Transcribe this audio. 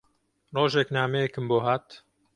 ڕۆژێک نامەیەکم بۆ هات